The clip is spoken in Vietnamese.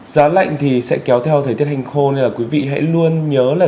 giá lạnh thì sẽ kéo theo thời tiết hành khô nên là quý vị hãy luôn nhớ là